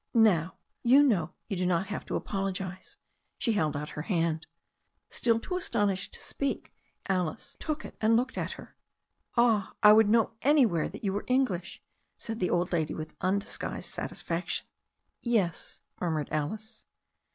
Now you know you do not have to apologize." She held out her hand. Still too astonished to speak, Alice took it and looked at her. "Ah, I would know anjrwhere that you were English/* said the old lady with undisguised satisfaction. "Yes," murmured Alice.